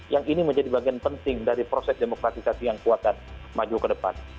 yang ini menjadi bagian penting dari proses demokratisasi yang kuat dan maju ke depan